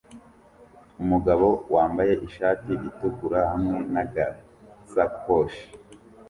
Umugabo wambaye ishati itukura hamwe nagasakoshi